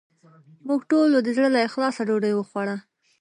موږ ټولو د زړه له اخلاصه ډوډې وخوړه